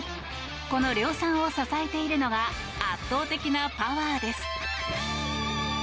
この量産を支えているのが圧倒的なパワーです。